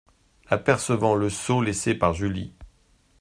Apercevant le seau laissé par Julie.